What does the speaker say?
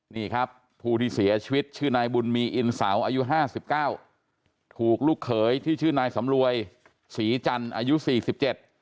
นี่ครับผู้ที่เสียชีวิตชื่อนายบุญมีอินเสาอายุห้าสิบเก้าถูกลูกเขยที่ชื่อนายสำรวยศรีจันทร์อายุสี่สิบเจ็ด